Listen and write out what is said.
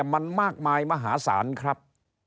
มันมากมายมหาศาลครับ